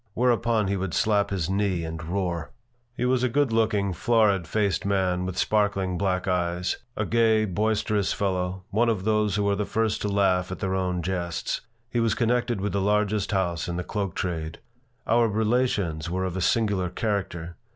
Whereupon he would slap his knee and roar He was a good looking, florid faced man with sparkling black eyes a gay, boisterous fellow, one of those who are the first to laugh at their own jests. He was connected with the largest house in the cloak trade. Our relations were of a singular character.